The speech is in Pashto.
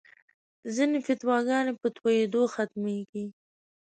ځینې فتواګانې په تویېدو ختمېږي.